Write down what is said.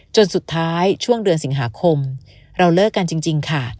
จนสุดท้ายช่วงเดือนสิงหาคมเราเลิกกันจริงค่ะ